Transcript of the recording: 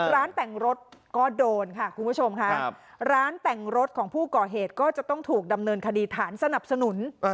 ร้านแต่งรถก็โดนค่ะคุณผู้ชมค่ะร้านแต่งรถของผู้ก่อเหตุก็จะต้องถูกดำเนินคดีฐานสนับสนุน